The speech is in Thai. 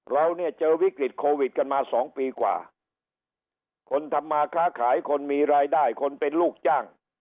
เราเนี่ยเจอวิกฤตโควิดกันมาสองปีกว่าคนทำมาค้าขายคนมีรายได้คนเป็นลูกจ้าง